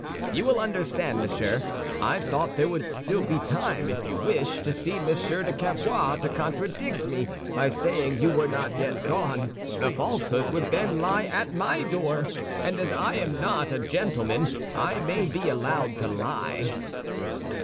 "You will understand, monsieur, I thought there would be still time, if you wish, to see Monsieur de Cavois to contradict me by saying you were not yet gone. The falsehood would then lie at my door, and as I am not a gentleman, I may be allowed to lie."